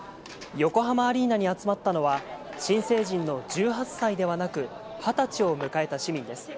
横浜アリーナに集まったのは新成人の１８歳ではなく、二十歳を迎えた市民です。